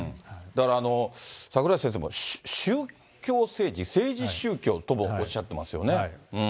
だから、櫻井先生も、宗教政治、政治宗教ともおっしゃっていますよね。